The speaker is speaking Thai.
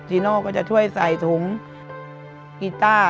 โน่ก็จะช่วยใส่ถุงกีต้า